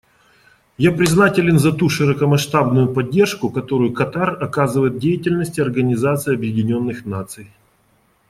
Я признателен за ту широкомасштабную поддержку, которую Катар оказывает деятельности Организации Объединенных Наций.